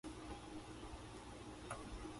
旅行で新しい場所を発見したい。